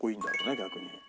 逆に。